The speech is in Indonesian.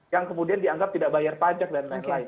yang kemudian dianggap tidak bayar pajak dan lain lain